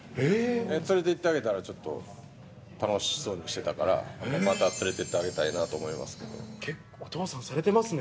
連れて行ってあげたらちょっと楽しそうにしてたから、また連れて結構、お父さんされてますね。